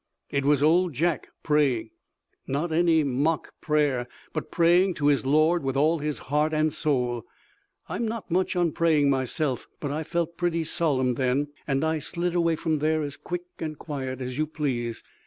It was Old Jack praying. Not any mock prayer, but praying to his Lord with all his heart and soul. I'm not much on praying myself, but I felt pretty solemn then, and I slid away from there as quick and quiet as you please.